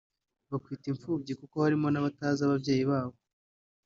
bakwitwa imfubyi kuko harimo n’abatazi ababyeyi babo